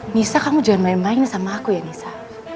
nisa kamu jangan main main sama aku ya nisa